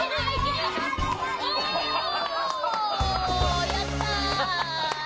おやった！